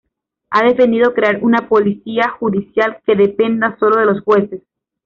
Ha defendido crear una policía judicial que dependa sólo de los jueces.